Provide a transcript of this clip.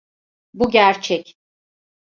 Bu gerçek.